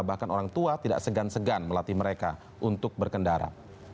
bahkan orang tua tidak segan segan melatih mereka untuk berkendara